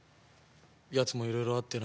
やつもいろいろあってな。